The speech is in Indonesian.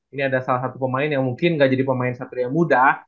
ini ada salah satu pemain yang mungkin gak jadi pemain satria muda